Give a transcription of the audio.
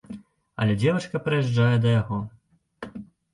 Але дзевачка прыязджае да яго.